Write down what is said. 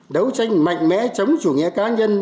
đấu tranh mạnh mẽ chống chủ nghĩa cá nhân